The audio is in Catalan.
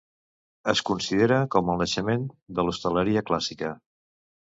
Es considera com el naixement de l'hostaleria clàssica.